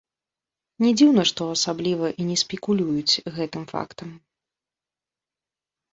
Не дзіўна, што асабліва і не спекулююць гэтым фактам.